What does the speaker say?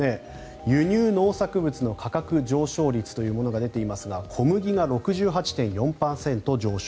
輸入農作物の価格上昇率が出ていますが小麦が６８．４％上昇。